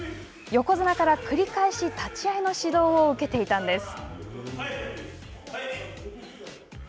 横綱から繰り返し立ち合いの指導を受けていたんです。